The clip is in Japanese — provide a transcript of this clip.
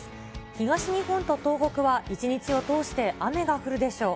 東日本と東北は、一日を通して雨が降るでしょう。